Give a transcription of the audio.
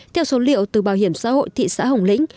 theo số liệu từ bảo hiểm xã hội thị xã hồng lĩnh